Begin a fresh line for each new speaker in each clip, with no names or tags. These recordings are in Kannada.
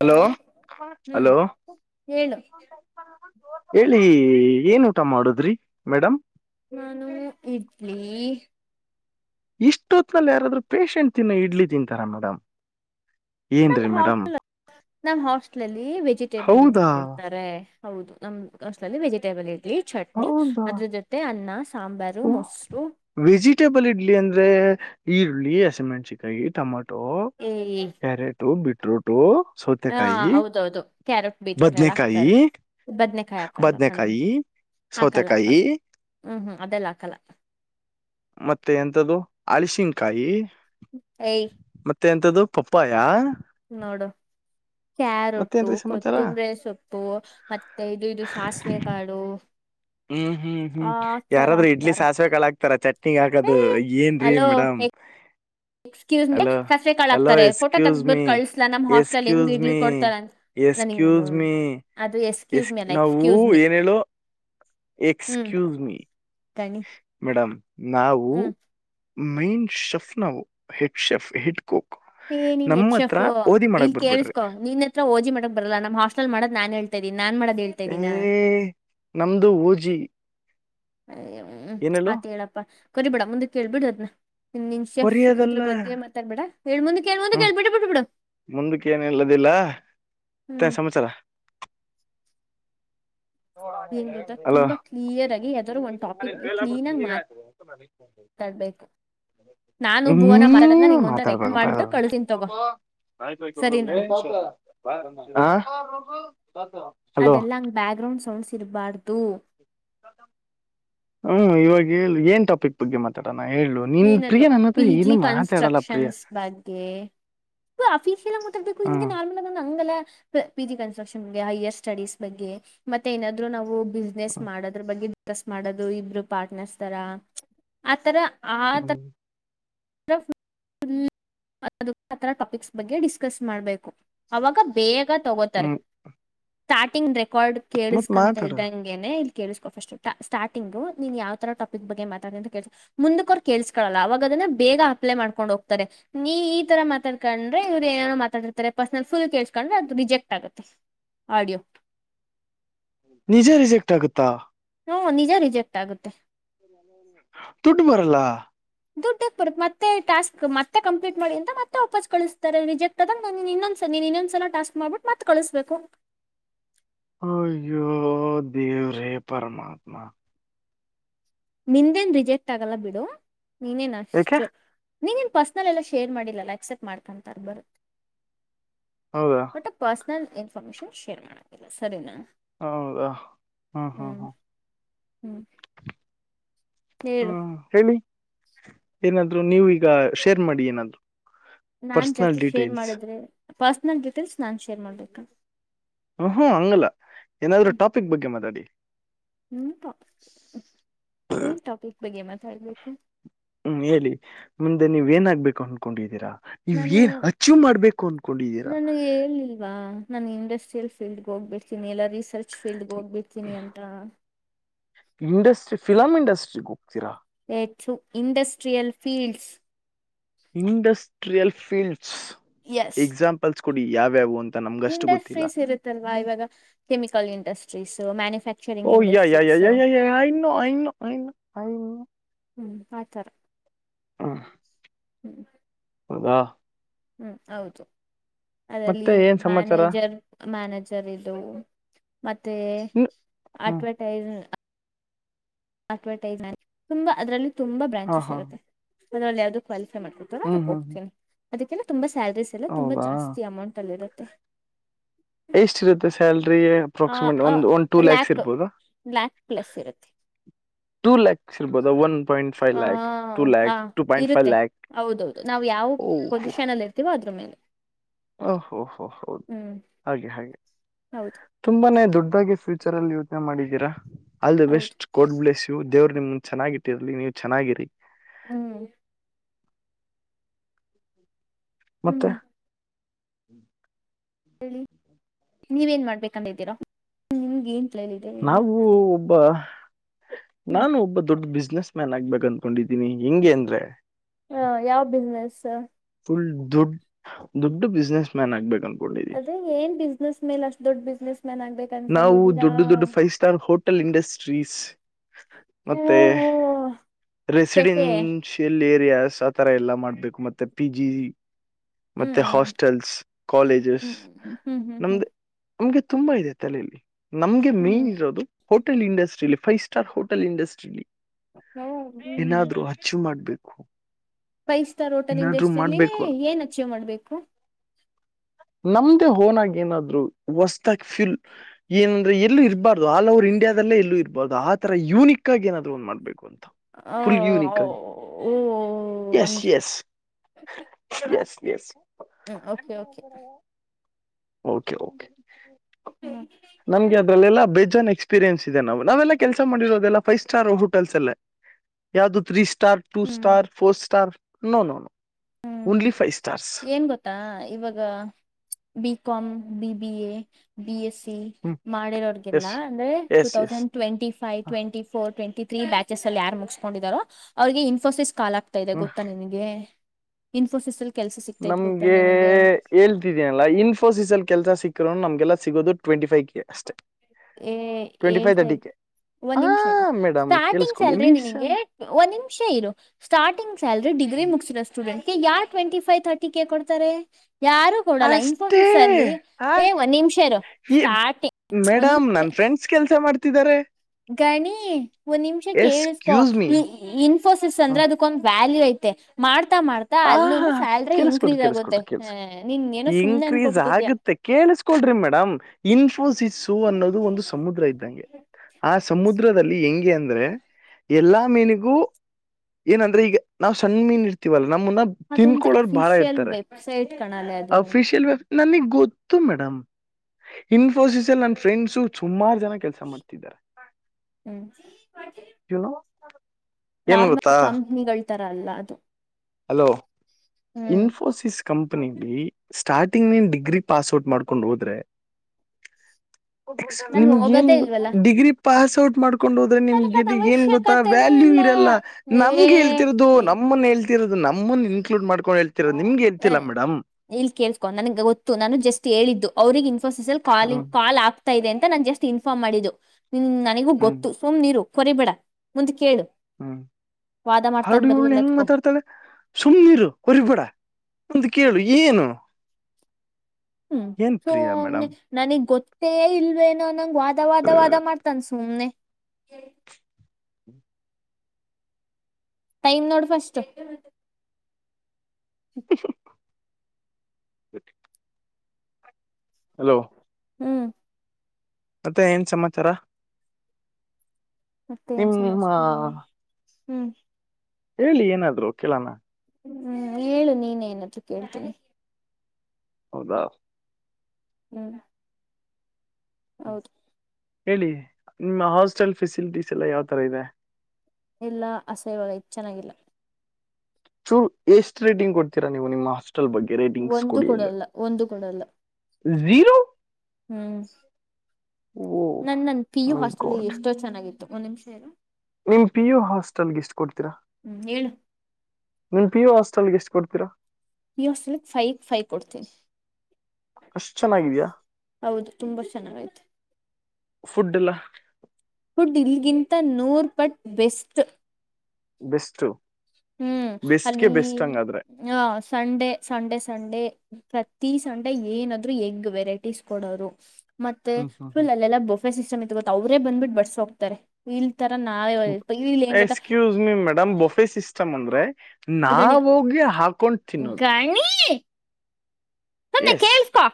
ಹಲೋ
ಹ್ಮ್
ಹಲೋ
ಹೇಳು
ಹೇಳಿ ಏನ್ ಊಟ ಮಾಡುದ್ರಿ ಮೇಡಮ್
ನಾನು ಇಡ್ಲಿ
ಇಷ್ಟೊತ್ಲ್ಲಿ ಯಾರಾದ್ರೂ ಪೇಶೆಂಟ್ ತಿನ್ನೋ ಇಡ್ಲಿ ತಿಂತಾರ ಮೇಡಂ
ನಮ ಹಾಸ್ಟೆಲ್ ನಮ್ಮ ಹಾಸ್ಟೆಲ್ ಅಲ್ಲಿ ವೆಜಿಟೇಬಲ್ ಇಡ್ಲಿ
ಹೌದಾ
ಕೊಡ್ತಾರೆ ಹೌದು ನಮ್ ಅಷ್ಟಲ್ಲಿ ವೆಜಿಟೇಬಲ್ ಇ ಚಟ್ನಿ ಅದ್ರ ಜೊತೆ ಅನ್ನ ಸಾಂಬಾರು ಮೊಸರು
ವೆಜಿಟೇಬಲ್ ಇಡ್ಲಿ ಅಂದ್ರೆ ಈರುಳ್ಳಿ ಹಸಿಮೆಣಸನ್ಕಾಯಿ ಟಮಾಟೊ
ಎ...
ರೋಟೋ ಸೋತ ಕಾಯಿ
ಹೌದೌದು ಕ್ಯಾರೆಟ್ ಬೀಟ್ರೋಟ್
ಬದನೆ
ಎಲ್ಲ
ಕಾಯಿ
ಹಾಕ್ತಾರೆ ಬದ್ನೆಕಾಯಿ ಹಾಕಲ್ಲ ಕಣ್ರಿ
ಬದನಕಾಯಿ
ಹಾಕಲ್ಲ
ಸೌತೆಕಾಯಿ
ಹಾಕಲ್ಲ ಹ್ಮ್ ಹ್ಮ್ ಅದೆಲ್ಲ ಹಾಕಲ್ಲ
ಮತ್ತೆ ಎಂತ್ದು ಅಲಿಸನ್ಕಾಯಿ
ಏ
ಮತ್ತೆ ಅಂತದ್ದು ಪಪ್ಪಾಯ
ನೋಡು
ಮತ್ತೆ
ಕ್ಯಾರೆಟ್
ಏನ್ರೀ ಸಮಾಚಾರ
ಕೊತ್ತಂಬರಿ ಸೊಪ್ಪು ಮತ್ತೆ ಇದು ಇದು ಸಾಸಿವೆಕಾಡು
ಹ್ಮ್ ಹ್ಮ್ ಹ್ಮ್ ಯಾರಾದ್ರೂ ಇಡ್ಲಿ
ಹಾಕ್ತಾರೆ
ಸಾಸಿವೆ ಕಳಾಗಕ್ತಾರ ಚಟ್ ಚಟ್
ಏ
ಹಾಕದು ಏನ್ರೀ
hello
madam
excuse me
hello
ಸಾಸಿವೆ ಕಾಳು
ಹಲೋ
ಹಾಕ್ತಾರೆ
ಎಕ್ಸ್
ಫೋಟೋ ತೆಗ್ದ್ಬಿಟ್ಟು
ಕ್ಯೂಸ್ಮೀ
ಕಳ್ಸ್ಲಾ ನಮ್
ಎಕ್ಸ್
ಹಾಸ್ಟೆಲ್ ಹೆಂಗ್
ಕ್ಯೂಸ್
ಇಡ್ಲಿ
ಮಿ
ಕೊಡ್ತಾರ ಅಂತ
ಎಸ್ಕ್ಯೂಸ್
ನನಗ್
ಮೀ
ಅದು ಎಕ್ಸ್ಕ್ಯೂಸ್
ಎಸ್
ಮಿ ಅಲ್ಲ
ನಾವೂ
ಎಕ್ಸ್ಕ್ಯೂಸ್ ಮಿ
ಏನ್ ಹೇಳೋ ಎಕ್ಸ್ಕ್ಯೂಸ್ ಮಿ
ಕನ್ನಿ
ಮೇಡಮ್ ನಾವು ಮೈನ್ ಶೆಫ್ ನಾವು ಹೆಡ್ ಶೆಫ್ ಹೆಡ್ಕೋ
ಏ ನೀನ್ ಎಚ್ ಎಫ್ ಇಲ್ ಕೇಳಸ್
ಬರ್ಬಿಡ್ರಿ
ನಿನ್ ಹತ್ರ ಓಜಿ ಮಾಡಕ್ ಬರಲ್ಲ ನಮ್ ಹಾಸ್ಟೆಲ್ ಮಾಡದ್ ನನ್ ಹೇಳ್ತಿ
ಏ ನಮ್ದ ಓ ಜಿ
ಅಯ್ಮ್ ಆತ ಹೇಳಪ್ಪ ಕರಿಬೇಡ ಮುಂದಕ್ಕೆ ಕೇಳ್ಬಿಡು ಅದ್ನ ನಿನ್ ಶೆಫ ಇದ್ರ
ಹೊರಿಯೋದಲ್ಲ
ಬಗ್ಗೆ ಮಾತಾಡ್ಬೇಡ ಏಳ್ ಮುಂದ ಮುಂದ
ಹ
ಕೇಳ್ಬಿಟ್ಟ ಬಿಟ್ಟಬಿಡ
ಮುಂದಕ್ಕೆ ಏನಲ್ಲದಿಲ್ಲತ್ತ
ಹ್ಮ್
ಸಂಚಾರ
ಏನ್ ಗೊತ್ತಾ
ಹಲೋ
ತುಂಬಾ ಕ್ಲಿಯರ್ ಆಗಿ ಯಾವ್ದಾದ್ರು ಒಂದು್ ಟಾಪಿಕ್ಗೆ ಕ್ಲೀನ್ ಆಗಿ ಮಾತ ಮಾತಡ್ಬೇಕು ನಾನು ಭುವನ ಮಾತಾಡದನ
ಹ್ಮ್
ನೀಂಗೊಂತ ರೆಕ್ ಮಾಡ್ಬಿಟ್ಟ್ರು ಕಳ್ತೀನ್ ತಗೋ ಸರಿನಾ?
ನಾಯ್ತುಯ್ಕ [unintelligible]
ಅದೆಲ್ಲಾ ಹಂಗ್ ಗ್ರೌಂಡ್ ಸೌಂಡ್ಸ್ ಇರಬಾರ್ದು
ಹ್ಮ್ ಇವಾಗ ಏನ್ ಟಾಪಿಕ್ ಬಗ್ಗೆ ಮಾತಾಡೋಣ ಹೇಳು ನಿನ್ ಪ್ರಿಯ
ಏನಾದ್ರು
ನನ್ನ ಹತ್ರ
ಪಿ ಜಿ
ಏನು ಮಾತಾಡಲ್ಲ ಪ್ರಿಯ
ಕನ್ಸ್ಟಕ್ಷನ್ಸ್ ಬಗ್ಗೆ ಇ ಅಫೀಷಿಯಲ ಮಾರ್ಬೇಕು ಇಂಗ
ಹ್ಮ್
ನಾರ್ಮಲ ಅಂಗಲ್ಲ ಪಿ ಜಿ ಕನ್ಸಕ್ಷನ್ ಬಗ್ಗೆ ಹೈಯರ್ ಸ್ಟಡೀಸ್ ಬಗ್ಗೆ ಮತ್ತೆ ಏನಾದ್ರು ನಾವು ಬಿಸ್ನೆಸ್ ಮಾಡೋದ್ರ ಬಗ್ಗೆ ಸ್ ಮಾಡದು ಇಬ್ರು ಪಾರ್ಟ್ನರ್ಸ್ ತರ ಆತರ ಆತರ
ಹ್ಮ್
ಸ್ ಆಥರ ಟಾಪಿಕ್ಸ್ ಬಗ್ಗೆ ಡಿಸ್ಕಸ್ ಮಾಡ್ಬೇಕು ಅವಾಗ ಬೇಗ ತಗೋತಾರೆ
ಹ್ಮ್
ಸ್ಟಾರ್ಟಿಂಗ್ ರೆಕಾರ್ಡ್
ಮತ್
ಕೇಳಿಸಕೊಂತ
ಮಾತಾಡ
ಇದ್ದಂಗೆನೆ ಇ ಕೇಳಕೋ ಫಸ್ಟ್ ಸ್ಟಾರ್ಟಿಂಗ್ ನೀನ್ ಯಾವ ತರ ಟಾಪಿಕ್ಗ್ ಮಾತಾಡ ಅಂತ ಕೇಳ ಮುಂದಕ್ಕೆ ಅವರು ಕೇಳ್ಸ್ಕೊಳ್ಳೋಲ್ಲ ಅವಗದನ್ನೆ ಬೇಗ ಅಪ್ಲೈ ಮಾಡ್ಕೊಂಡ್ ಹೋಗ್ತಾರೆ ನೀ ಈ ತರ ಮಾತಡ್ಕೊಂಡ್ರ ಇವ್ರು ನೋ ಮಾತಾಡ್ತಾರೆ ಪರ್ಸನಲ್ ಫುಲ್ ಕೇಳ್ಸ್ಕೊಂಡ ಅದು ರಿಜೆಕ್ಟ್ ಆಗುತ್ತೆ ಆಡಿಯೋ
ನಿಜೆ ರಿಜೆಕ್ಟ್ ಆಗತಾ
ಹ್ಮ ನಿಜ ರಿಜೆಕ್ಟ್ ಆಗುತ್ತೆ
ದುಡ್ ಬರಲ್ಲ
ದುಡ್ಡಕ್ ಬಡತ್ತ ಮತ್ತೆ ಟಾಸ್ಕ್ ಮತ್ತೆ ಕಂಪ್ಲೀಟ್ ಮಾಡಿ ಅಂತ ಮತ್ತೆ ವಾಪಸ್ ಕಳಿಸತಾರೆ ರಿಜೆಕ್ಟ್ ಅದಾಗ ಇನ್ನೊಂದ್ಸ ನೀನ್ ಇನ್ನೊಂದ್ಸಲ ಟಾಸ್ಕ್ ಮಾಡ್ಬಿಟ್ಟು ಮತ್ತ್ ಕಳಿಸ್ಬೇಕು
ಅಯೋ ದೇವ್ರೇ ಪರಮಾತ್ಮ
ನಿಂದ್ ಏನ್ ರಿಜೆಕ್ಟ್ ಆಗಲ್ಲ ಬಿಡು ನೀನೇನ್
ಯಾಕೆ
ಅಷ್ಟು ನೀಗೇನು ಪರ್ಸ್ನಲ್ ಎಲ್ಲ ಶೇರ್ ಮಾಡಿಲ್ಲಲ್ಲ ಆಕ್ಸೆಪ್ಟ್ ಮಾಡ್ಕೊಂತಾರೆ ಬರುತ್ತೆ
ಹೌದಾ
ಒಟ್ಟ ಪರ್ಸ್ನಲ್ ಇನ್ಫಾರ್ಮೇಶನ್ ಶೇರ್ ಮಾಡಕ್ಕಿಲ್ಲ ಸರಿನಾ
ಹೌದಾ ಹ್ಮ್ ಹ್ಮ್ ಹ್ಮ್
ಹ್ಮ್
ಹ್ಮ ಹೇಳಿ ಏನಾದ್ರು ನೀವ್ಈಗ ಶೇರ್ ಮಾಡಿ ಏನಾದ್ರು
ನಾನ್
ಪರ್ಸನಲ್
ಜಾಸ್ತಿ ಶೇರ್ ಮಾಡಿದ್ರೆ ಪರ್ಸನಲ್ ಡೀಟೇಲ್ಸ್ ನಾನು ಶೇರ್ ಮಾಡಬೇಕಾ
ಹ ಹ್ಮ ಹಂಗಲ್ಲ ಏನಾದ್ರೂ ಟಾಪಿಕ್ ಬಗ್ಗೆ ಮಾತಾಡಿ
ಹ್ಮ ಏನ್ ಟಾಪಿಕ್ ಬಗ್ಗೆ ಮತ್ತೆ
ಹ್ಮ್ ಹೇಳಿ ಮುಂದೆ ನೀವ್ ಏನಾಗ್ಬೇಕು ಅನ್ಕೊಂಡಿದ್ದೀರಾ ನೀವ್
ನಾನು
ಏನ್ ಅಚೀವ್ ಮಾಡ್ಬೇಕು ಅನ್ಕೊಂಡಿದ್ದೀರಾ
ನಾನು ಹೇಳಿಲ್ವಾ ನಾನ ಇಂಡಸ್ಟ್ರಿಯಲ್ ಫೀಲ್ಡ್ ಗೆ ಹೋಗ್ಬಿಡ್ತೀನಿ ಎಲ್ಲಾ ರಿಸರ್ಚ್ ಫೀಲ್ಡ್ಗೆ ಹೋಗ್ಬಿಡ್ತೀನಿ ಅಂತ
ಇಂಡಸ್ಟ್ರಿ ಫಿಲಮ್ ಇಂಡಸ್ಟ್ರಿ ಹೋಗ್ತೀರಾ
ಇಂಡಸ್ಟ್ರಿಯಲ್ ಫೀಲ್ಡ್ಸ್
ಇಂಡಸ್ಟ್ರಿಯಲ್ ಫೀಲ್ಡ್ಸ್
ಎಸ್
ಎಕ್ಸಾಂಪಲ್ಸ್ ಕೊಡಿ ಯಾವ್ ಯಾವ್ದು ಅಂತ ನಮ್ಗಷ್ಟು ಗೊತ್ತಿಲ್ಲ
ಇಂಡಸ್ಟ್ರೀಸ್ ಇರುತ್ತಲ್ವಾ ಇವಾಗ ಕೆಮಿಕಲ್ ಇಂಡಸ್ಟ್ರೀಸ್ ಮ್ಯಾನುಫಕ್
ಓ ಯ ಯ ಯ ಯ ಯ ಐನೋ ಐನೋ
ಹ್ಮ್ ಆತರ
ಹಾ
ಹ್ಮ್
ವಾ [unintelligible]
ಹ್ಮ್ ಹೌದು
ಮತ್ತೆ
ಅದಲ್ಲಿ
ಏನ್ ಸಮಾಚಾರ
ಮ್ಯಾನೇಜರ್ ಮ್ಯಾನೇಜರ್ ಇದು ಮತ್ತೆ
ಹ್ಮ್ ಹ್ಮ್
ಅಡ್ವಟೈಸ್ ಅಡ್ವರ್ಟೈಸ್ ತುಂಬಾ ಅದರಲ್ಲಿ ತುಂಬಾ
ಹಾ
ಬ್ರಾಂಚಸ್
ಹಾ
ಇರುತ್ತೆ ಅದರಲ್ಲಿ ಯಾವ್ದೋ ಕ್ವಾಲಿಟಿ ಮಾಡ್ಕತಾರ
ಹ್ಮ್
ಅದಕ್ಕೆ
ಹ್ಮ್ ಹ್ಮ್.
ಹೋಗ್ತೀನ ಅದಕ್ಕೆಲ್ಲ ತುಾ ಸಲ್ರಿಸ್ ಎಲ್ಲ ತುಂಬಾ
ಹೌದಾ
ಜಾಸ್ತಿ ಅಮೌಂಟ್ ಅಲ್ಲಿ ಇತ್ತೆ ತ್ತ
ಎಷ್ಟ ಇರುತ್ತೆ ಸ್ಯಾಲ್ರಿ ಅಪ್ರಾಕ್ಸಿಮೇಟ್ ಒಂದು ಒನ್ ಟೂ ಲ್ಯಾಕ್ಸ್ ಇರ್ಬೋದಾ
ಬ್ಲ್ಯಾಕ್ ಪ್ಲಸ್ ಇರುತ್ತೆ
ಟೂ ಲ್ಯಾಕ್ಸ್ ಇರ್ಬೋದ ಒನ್ ಪ [unintelligible]
ಆ
ಲ ಲ
ಹಾ
ಟು ಪಂಟ್ ೈ್
ಇರುತ್ತೆ
ಲಕ್
ಹೌದೌದು ನಾವು ಯಾವ
ಓಹ
ಪೊಸಿಷನ್ ಅಲ್ಲಿ ಇರ್ತೀವೋ ಅದ್ರ ಮೇಲೆ
ಓಹೋಹೋ ಹೌದು
ಹ್ಮ್
ಹಾಗೆ ಹಾಗೆ
ಹೌದು
ತುಂಬಾನೇ ದೊಡ್ಡದಾಗಿ [unintelligible] ಮಾಡಿದ್ದೀರಾ ಆಲ್ ದ
ಹೌದು
ಬೆಸ್ಟ್ ಕೋಡ್ ಬ್ಲೇಸ್ ನೀ ದೇವ್ರ ನಿಮ್ ಚೆನ್ನಾಗಿಟ್ಟಿರ್ರಲಿ ನೀವು್ ಚೆನ್ನಾಗಿರಿ
ಹ್ಮ್
ಮತ್ತೆ
ಹ್ಮ್ ಹೇಳಿ ನೀವೇನ್ ಮಾಡ್ಬೇಕಂತಿದ್ದೀರಾ ನಿಮ್ಗೆನ್
ನಾವು ಒಬ್ಬ
ಹ್ಮ್
ನಾನು ಒಬ್ಬ ದೊಡ್ಡ ಬಿಸ್ ಬಿಸ್ನೆಸ್ ಮ್ಯಾನ್ ಆಗ್ಬೇಕು ಅಂದ್ಕೊಂಡಿದ್ದೀನಿ ಹಿಂಗೆ ಅಂದ್ರೆ
ಹ ಯಾವ ಬಿಸ್ನೆಸ್
ಫುಲ್ ದೊಡ್ ಬಿಸ್ಿನೆಸ್ ಮ್ಯಾನ್ ಆಗ್ಬೇಕಂತ
ಅದೇ ಏನ್ ಬಿಸ್ನೆಸ್ ಮೇಲೆ ಅಷ್ಟ್ ದೊಡ್ಡ ಬಿಸ್ನೆಸ್ ಮ್ಯಾನ್ ಆಗ್ಬೇಕ
ನಾವು
ಅನ್ಕೊಂಡಿದ್ದೀರಾ
ದೊಡ್ಡ ದೊಡ್ಡ ಫೈವ್ ಸ್ಟಾರ್ ಹೋಟೆಲ್ ಇಂಡಸ್ಟ್ರೀಸ್
ಹ್ಮ
ಮತ್ತೆ
ಹ್ಮ ಕೆಫೆ
ರೆಸಿಡೆನ್ಸಿಯಲ್ಲಿ ಸ್ ಆ ತರ ಎಲ್ಲಾ ಮಾಡ್ಬೇಕು ಮತ್ತೆ ಪಿ ಜಿ
ಹ್ಮ್
ಮತ್ತೆ ಹಾಸ್ಟೆಲ್ಸ್ ಕಾಲೇಜಸ್
ಹ್ಮ್ ಹ್ಮ್ ಹ್ಮ್ ಹ್ಮ್ ಹ್ಮ್
ನಮ್ದು ನಮ್ಗೆ ತುಂಬಾ ಇದೆ ತಲೆಯಲ್ಲಿ ನಮ್ಗೆ ಮೇನ್
ಹ್ಮ್
ಇರೋದು ಹೋಟೆಲ್ ಇಂಡಸ್ಟ್ರಿಲಿ ಫೈವ್ ಸ್ಟಾರ್ ಹೋಟಲ್ ಇಂಡಸ್ಟ್ರಿ ಇಲಿ
ಹ್ಮ್
ಏನಾದ್ರು ಅಚೀವ್ ಮಾಡ್ಬೇಕು
ಫೈವ್ ಸ್ಟಾರ್ ಹೋಟೆಲ್ಂದ
ಏನಾದ್ರೂ
ಇಂಡಷ್ಟಲ್ಲಿ
ಮಾಡ್ಬೇಕು ಅಂತ
ಏನ್ ಅಚೀವ್ ಮಾಡ್ಬೇಕು
ನಮ್ದೇ ಹೋನಾಗ ಏನಾದ್ರು ಹೊಸತಾಗಿ ಫಿಲ್ ಏನಂದ್ರೆ ಎಲ್ಲೂ ಇರಬಾರ್ದು ಆಲ ಅವ ಇಂಡಿಯಾದಲ್ಲೇ ಎಲ್ಲೂ ಇರಬರ್ದು ಆ ತರ ಯುನಿಕ್ಗ ಏನಾದ್ರೂ ಒಂದು ಮಾಡ್ಬೇಕು ಅಂತ
ಓ
ಫುಲ್ ುಲ್ಗೂನಿಕಾಗಿ
ಓ
ಎಸ್
ಹಂಗೆ
ಎಸ್ ಎಸ್ ಎಸ್
ಹ್ಮ ಓಕೆ ಓಕೆ ಹ್ಮ್
ನಮ್ಗೆ ಅದ್ರಲ್ಲೆಲ್ಲ ಬೇಜನೆ ಎಕ್ಸ್ಪೀರಿಯನ್ಸ್ ಇದೆ ನಾವು ನಾವೆಲ್ಲ ಕೆಲಸ ಮಾಡಿರೋದೆಲ್ಲ ಫೈವ್ ಸ್ಟಾರ್ ಹೋಟೆಲ್ಸ್ ಎಲ್ಲ ಯಾವ್ದದು ತ್ರೀ ಸ್ಟ ಸ್ಟಾರ್ ಟು
ಹ್ಮ್
ಸ್ಟಾರ್ ೋರ್ ಸ್ಟಾರ್ ನೋ ನೋ ನೋ
ಹ್ಮ್
ಓನ್ಲಿ ಫೈವ್ ಸ್ಟಾರ್ಸ್
ಏನ್ ಗೊತ್ತಾ ಇವಾಗ BCom B B A B S C
ಹ್ಮ್
ಮಾಡಿರೋಗೆಲ್ಲ
ಎಸ್
ಅ್ರ ಟ
S S
thousand twenty five twenty four twenty three batches ಅಲ್ಲಿ ಯಾರು ಮುಗಿಸಸ್ಕೊಂಡಿದಾರೋ ಅವ್ರಿಗೆ ಇನ್ಫೋಸಿಸ್ ಕಾಲ ಆಗ್ತಾ ಇದೆ
ಹ್ಮ್
ಗೊತ್ತಾ ನಿಮಗೆ ಇನ್ಫೋಸಿಸಲ್
ನಮ್ಗೆ ಹೇಳ್ತಿದೀನಲ್ಲ ಇನ್ಫೋಸಿಸ ಅಲ್ಲಿ ಕೆಲ್ಸ ಸಿಕ್ಕರ ನಮ್ಗೆಲ್ಲ ಸಿಗೋದು ಟ್ವೆಂಟಿ ಫೈವ್ ಕೆ ಅಷ್ಟೇ
ಏ
ಟ್ವೆಂಟಿ ಫೈವ್
ಹೇಳ್ತಾ
ತರ್ಟಿ
ಇದೆ
ಕೆ
ಒಂದ್
ಆ
ನಿಮಿಷ ಇರು
ಮೇಡಮ್
ಸ್ಟಾರ್ಟಿಂಗ್
ಕೇಳಿಸ್ಕೊಳ್ಳಿ
ಸ್ಯಾಲ್ರಿ
ಲೀಸನ್
ನಿನಗೆ ಒಂದ್ ನಿಮಿಷ ಇರು ಸ್ಟಾರ್ಟಿಂಗ್ ಸ್ಯಾಲ್ರಿ ಡಿಗ್ರಿ ಮುಗಸಿರೋ ಸ್ಟೂಡೆಂಟ್ಗೆ ಯಾರ್ ಟ್ವೆಂಟಿ ಫೈವ್ ತರ್ಟಿ ಕ ಕೊಡ್ತಾರೆ ಯಾರು ಕೊಡಲ್ಲ
ಅಷ್ಟೇ
ಇನ್ಫೋಸಿಸ್ ಅಲ್ಲಿ
ಆ
ಏ ಒಂದ್ ನಿಮಿಷ ಸ್ಟಾರ್ಟಿಂಗ್ ಒಂದ್
ಮೇಡಮ್ ನನ್ ಫ್ರೆಂಡ್ಸ್ ಕೆಲ್ಸ ಮಾಡ್ತಿದ್ದಾರೆ
ಗಣಿ ಒಂದ್ ನಿಮಿಷ ಕೇಳಿಸ್ಕೊ
ಎಸ್ಕ್ಯೂಸ್ ಮೀ
ಇನ್ಫೋಸಿಸ್ ಅಂದ್ರೆ ಅದಕ್ಕೊಂದ ವ್ಯಾಲ್ಯ ಐತೆ ಮಾಡ್ತ ತ ಮಾಡ್ತಾ
ಆ
ಅಲ್ಲೂನು
ಹಾ
ಸ್ಯಾಲ್ರಿ
ಕೇಳಿಸ್ಕೊಡ್ರಿ
ಇನ್ಕ್ರೀಸ್ ಆಗುತ್ತೆ
ಕೇಳಿಸ್ಕೊಡ್ರಿ
ಹ
ಕೇಳಿಸ್
ನಿನ್ ಏನೋ ಸುಮ್ನೆ ಅನ್ಕೋಬಿಟ್ಟಿದ್ಯಾ
್ರಿ ಮೇಡಮ್ ಇನ್ಫೋಸಿಸ್ು ಅನ್ನೋದು ಒಂದು ಸಮುದ್ರ ಇದ್ದಂಗೆ ಆ ಸಮುದ್ರ ಸಮುದ್ರದಲ್ಲಿ ಹೆಗೆ ಅಂದ್ರೆ ಎಲ್ಲಾ ಮೀನಿಗೂ ಏನಂದ್ರೆ ಈಗ ನಾವ್ ಸಣ್ಣ ಮೀನ್ ಇರ್ತೀವಲ್ಲ ನಮ್ಮನ್ನ ತಿನ್ಕೊಳರ್ ಬಾಳ ಇಡ್ತಾರೆ
ಣಲ್ಲೆ ಅದು
ನನಗ್ ಗೊತ್ತು ಮೇಡಮ್ ಇನ್ಫೋಸಿಸ್ಲ್ಲಿ ನನ್ನ ಫ್ರೆಂಡ್ಸ ಸುಮಾರ ಜನ ಕೆಲ್ಸ ಮಾಡ್ತಿದ್ದಾರೆ
ಹ್ಮ್
ನು
ನಾರ್ಮಲ್ ಕಂಪ್ನಿಗಳತರ ಅಲ್ಲ ಅದು
ಹಲೋ
ಹ್ಮ್
ಇನ್ಫೋಸಿಸ್ ಕಂಪನಿಲ್ಲಿ ಸ್ಟಾರ್ಟಿಂಗ್ ನೀನ್ ಡಿಗ್ರಿ ಪಾಸ್ ಔಟ್ ಮಾಡ್ಕೊಂಡು ಹೋದ್ರೆ
ನನ್
ನಿಮಗ ಏನ್
ಹೋಗೋದೇ ಇಲ್ವಲ್ಲ
ಡಿಗ್ರಿ ಪಾಸ್ ಔಟ್ ಮಾಡ್ ಕೊಂಡು ಹೋದ
ನನಗ ಅದ
ನಿಮ್ಗೆ ಏನ್ ಗೊತ್ತಾ
ಅವಶ್ಯಕತೆನೇ
ವ್ಯಾಲ್ಯೂ
ಇಲ್ಲ
ಇರಲ್ಲ ನಮ್ಗೆ ಹೇಳ್ತಿರೋದು ನಮ್ಮನ್ನ ಹೇಳ್ತಿರೋದು ನಮ್ಮನ್ ಇನ್ಕ್ಲೂಡ್ ಮಾಡಕೊಂಡ ಹೇಳ್
ಹ ಇಲ್ಲಿ ಕೇಳ್ಕೊಂಡ್ ನನ್ಗೆ ಗೊತ್ತು ನಾನು ಜಸ್ಟ್ ಹೇಳಿದ್ದು ಅವ್ರಿಗೆ ಇನ್ಫ ್
ಹ್ಮ್
ಕಾಲ್ ಆಗ್ತಾ ಇದೆ ಅಂತ ನ ಜಸ್ಟ್ ಇನ್ಫಾರ್ಮ್ ಮಾಡಿದ್ದು ನನಗೂ
ಹ್ಮ್
ಗೊತ್ತು ಸುಮ್ಮನಿರು. ಕೊರಿಬೇಡ ಮುಂದ ಕೇಳು.
ಹ್ಮ್
ವಾದ
ಹರಡ
ಮಾಡ್ತಾನೆ ಬರೀ
ಹೆಂಗ್
ಎಲ್ಲದಕ್ಕೂ
ಮಾತಾಡ್ತಾಳೆ ಸುಮ್ನೀರು ಕೊರಿಬೇಡಾ. ಒಂದು ಕೇಳು ಏನು. ಏನ್ ಪ್ರಿಯಾ
ಸುಮ್ನೆ
ಮೇಡಮ್
ನನಗ್ ಗೊತ್ ತ್ತೆ ಇಲ್ವೇನೋ ಅನ್ನಂಗ್ ವಾದ ವಾದ ವಾದ ಮಾಡ್ತನ್ ಸುಮ್ನೆ. ಟೈಮ್ ನೋಡ ಫಸ್ಟ್.
ಹಹ. ಹಲೋ.
ಹ್ಮ್.
ಮತ್ತೆ ಏನ್ ಸಮಾಚಾರ.
ಮತ್ತೆ ಏನ
ನಿಮ್ಮ
ಸಮಾಚಾರ ಹ್ಮ್.
ಹೇಳಿ ಏನಾದ್ರು ಕೆೇಳನ.
ಹ್ಮ್ ಹೇಳು ನೀನೇ ಏನಾದ್ರೂ ಕೇಳ್ತೀನಿ.
ಹೌದಾ.
ಹ್ಮ್. ಹೌದು.
ಹೇಳಿ ನಿಮ್ಮ ಹಾಸ್ಟೆಲ್ ಫೆಸಿಲಿಟೀಸ್ ಎಲ್ಲ ಯಾವ್ತರ ಇದೆ.
ಎಲ್ಲಾ ಆಸಯ್ಯವಾಗೇತಿ ಚೆನ್ನಾಗಿಲ್ಲ.
ತೂ ಎಷ್ಟು ರೀಟಂಗ್ಡ್ತೀರಾ ನೀವು ನಿಮ್ಮ ಹೋಸ್ಟ್ ಹಾಸ್ಟೆಲ್ ಬಗ್ಗೆ ರೇಟಿಂಗ್ಸ್
ಒಂದು
ಕೊಡಿ ಅಂದ್ರೆ
ಕೊಡಲ್ಲ ಒಂದು ಕೊಡಲ್ಲ
ಜೀರೋ.
ಹ್ಮ್ ನನ್ ನನ್ ಪಿ ಯು
ಮೈ
ಹಾಸ್ಟೆಲ್ಗೆ
ಗಾಡ್
ಎಷ್ಟೋ ಚೆನ್ನಾಗಿತ್ತು ಒಂದ್ ನಿಮಿಷ ಇರು.
ನಿಮ್ ಪಿ ಯು ಹಾಸ್ಟೆಲ್ಗೆಷ್ಟು ಕೊಡ್ತೀರಾ.
ಹ್ಮ್ ಹೇಳು
ನೀನ್ ಪಿ ಯು ಹಾಸ್ಟೆಲ್ಗೆ ಎಷ್ಟು ಕೊಡ್ತೀರಾ.
ಪೀ ಯು ಹಾಸ್ಟೆಲ್ಕ ಫೈವ್ ಗೆ ಫೈವ್ ಕೊಡ್ತೇನ.
ಅಷ್ಟು ಚೆನ್ನಾಗಿದ್ಯಾ
ಹೌದು ತುಂಬಾ ಚೆನ್ನಾಗೈತೆ.
ಫುಡ್ ಎಲ್ಲ
ಫುಡ್ ಇಲ್ಗಿಂತ ನೂರ್ ಪಟ್ ಬೆಸ್ಟ್.
ಬೆಷ್ಟು.
ಹ್ಮ್ ಅಲ್ಲಿ ಹ ಸಂಡೆ ಸಂಡೇ ಸಂಡೇ. ಪ್ರತಿ ಸಂಡೆ ಏನಾದ್ರೂ ಎಗ್ ವೆರೈಟಿಸಸ್ ಕೊಡೋರು. ಮತ್ತೆ ಫುಲ್ ಅಲ್ಲೆಲ್ಲಾ ಬೊಫೆ ಸಿಸ್ಟಮ್ ಇತ್ತು ಗತ್ತ ಅವ್ರೇ ಬಂದಬಿಟ್ಟು ಬಡಸ ಹೋಗ್ತಾರೆ ಇಲ ತರಾ ನಾಳೆ ಅಯ್ಯೋ ಇಲ್ಲ ಏನ್ ಗೊತ್ತಾ.
ಎಕ್ಸ್ಕ್ಯೂಸ್
ಗಣಿ
ನಾವ ಹೋಗಿ ಹಾಕೊಂಡು ತಿನ್ನೋದು.
ಗಣಿ ಸುಮ್ನೆ
ಎಸ್
ಕೆಳಸ್ಕೋ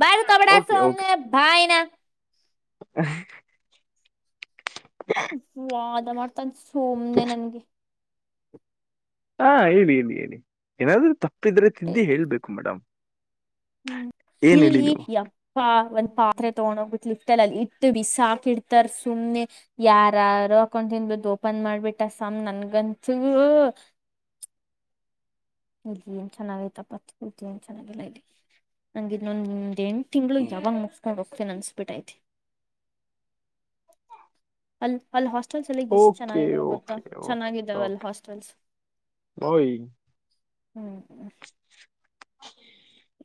ಬಡ್ಕೋಬೇಡ ಸುಮ್ನೆ ಬಾಯನಾ.
ಹ.
ವಾದ ಮಾಡ್ತಾನ ಸುಮ್ನೆ ನನ್ಗೆ.
ಹಾ ಹೇಳಿ ಹೇಳಿ ಹೇಳಿ ಏನಾದ್ರು ತಪ್ಪಿದ್ರೆ ತಿದ್ದಿ ಹೇಳ್ಬೇಕು ಮೇಡಮ್.
ಹ್ಮ್
ಏನ್ ಹೇಳಿ
ಇಲ್ಲಿ
ನೀವು
ಯಪ್ಪಾ ಒಂದ್ ಪಾತ್ರೆ ತಗೊಂಡೋಗ್ ಬಿಟ್ಲಿ. ಇಲ್ಲ ಇತ್ತು ಬಿ ಸಾಕ ಇಡ್ತಾರ ಸುಮ್ನೆ ಯಾರಾರು ಅಕೊಂಡ್ ತಿನ್ಬದು ಓಪನ್ ಮಾಡ್ಬಿಟ್ಟ ಸಾ [unintelligible]
[inaudible]
ಇಲ್ಲಿ ಏನ್ ಚೆನ್ನಾಗೈತಪ್ಪ ಏನ್ ಚೆನ್ನಾಗಿಲ್ಲ ಇಲ್ಲಿ ಹಂಗಿದ್ ನೊ ನಿಮ್ದೇನ್. ತಿಂಗಳು ಯಾವಾಗ
ಓಕೆ
ಮುಗ್ಸ ಮುಗ್ಸ್ತೇನ ಅನಸ ಬಿಟ್ಟೈತೆ ಅಲ್ಲ ಅಲ್ಲ. ಹಾಸ್ಟೆಲ್ಸ್ ಎಲ್ಲಿ ಇಷ್ಟ
ಓಕೆ
ಚೆನ್ನಾಗಿದಾವ ಗೊತ್ತಾ
ಓಕೆ
ಚೆನ್ನಾಗಿದ್ದಾವಲ್ಲ
ಓಕೆ
ಹಾಸ್ಟೆಲ್ಸ್.
ಓಯ್
ಹ್ಮ್.